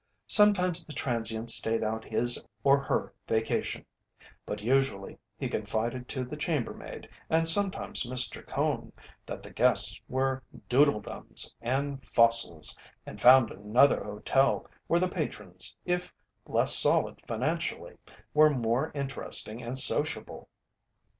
Sometimes the transient stayed out his or her vacation, but usually he confided to the chambermaid, and sometimes Mr. Cone, that the guests were "doodledums" and "fossils" and found another hotel where the patrons, if less solid financially, were more interesting and sociable.